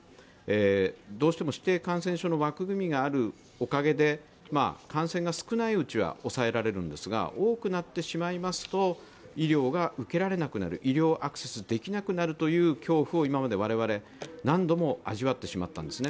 どうしても指定感染症の枠組みがあるおかげで感染が少ないうちは抑えられるんですが多くなってしまいますと医療が受けられなくなる、医療アクセスできなくなるという恐怖を今まで我々、何度も味わってしまったんですね。